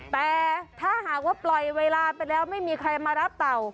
แต่ถ้าหากว่าปล่อยเวลาไปแล้วไม่มีใครมารับเต่า